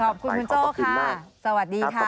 ขอบคุณคุณโจ้ค่ะสวัสดีค่ะ